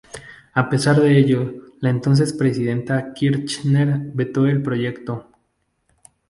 A pesar de ello, la entonces presidenta Kirchner vetó el proyecto.